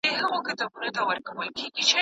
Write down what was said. د مازدیګر درې بجې موږ په چکر روان وو.